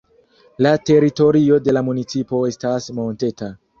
La teritorio de la municipo estas monteta.